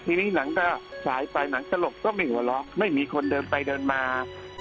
ทีนี้หนังก็ฉายไปหนังสลบก็ไม่หัวเราะไม่มีคนเดินไปเดินมา